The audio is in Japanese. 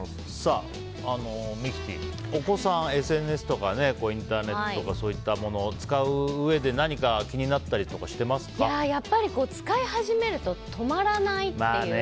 ミキティ、お子さんがＳＮＳとかインターネットとかそういったものを使ううえで使い始めると止まらないっていう。